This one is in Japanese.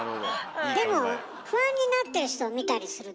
でも不安になってる人を見たりするでしょ？